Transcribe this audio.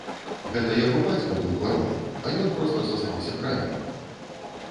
Гэта яго бацька быў баронам, а ён проста застаўся крайнім.